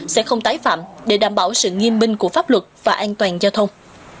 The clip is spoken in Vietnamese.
sẽ không tái phạm để đảm bảo sự nghiêm minh của pháp luật và an toàn giao thông